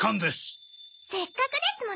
せっかくですもの